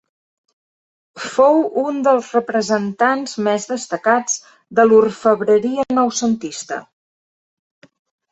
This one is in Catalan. Fou un dels representants més destacats de l'orfebreria Noucentista.